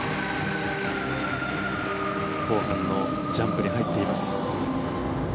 後半のジャンプに入っています。